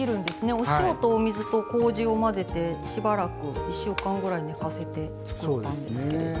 お塩とお水とこうじを混ぜてしばらく１週間ぐらい寝かせて作ったんですけども。